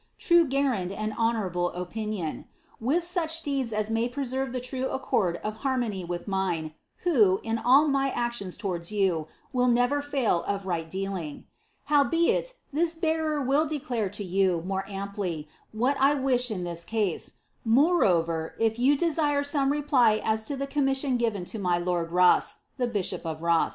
Hue guerdon and honourable opinion), with such deeds as may preserve the irue accord of har mony with mine, who, in all my actions lowardi you, will never fail of right dealing. " Howbeit. this bearer will declare lo you more amply what I wish in this ease. Moreover, if you desire some reply as to the commission given to my lord Ro«t (Iht bMap of Sou).